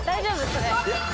それ。